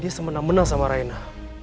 dia semenang menang sama raina